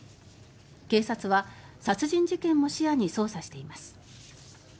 警察は、殺人事件も視野に捜査しています。